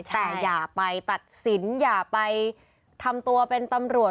แต่อย่าไปตัดสินอย่าไปทำตัวเป็นตำรวจ